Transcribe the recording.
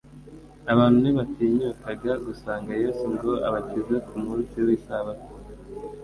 Abantu ntibatinyukaga gusanga Yesu ngo abakize ku munsi w'isabato,